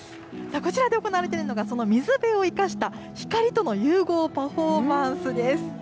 こちらで行われているのが、その水辺を生かした光との融合パフォーマンスです。